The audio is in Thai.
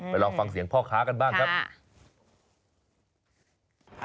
ลองฟังเสียงพ่อค้ากันบ้างครับ